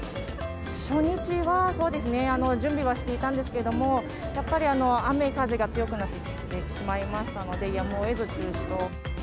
初日は、そうですね、準備はしていたんですけれども、やっぱり雨風が強くなってきてしまいましたので、やむをえず中止と。